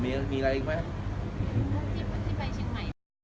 มีอะไรอีกไหม